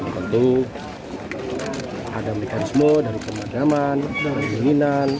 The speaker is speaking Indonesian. tentu ada mekanisme dari kemerdekaan dari peminan